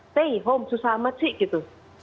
stay home susah amat sih gitu